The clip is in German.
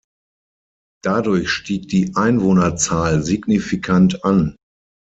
Dadurch stieg die Einwohnerzahl signifikant an.